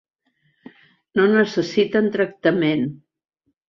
No necessiten tractament.